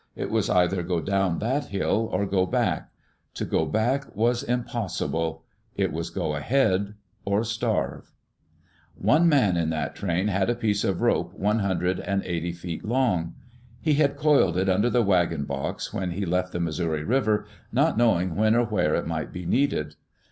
It was either go down that hill or go back. To go back was impossible. It was go ahead or starve. One man in that train had a piece of rope one hundred ^, Digitized by VjOOQ IC EARLY DAYS IN OLD OREGON and eighty feet long. He had coiled it under the wagon box when he left the Missouri River, not knowing when or where it might be needed.